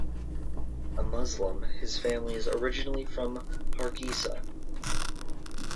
A Muslim, his family is originally from Hargeisa.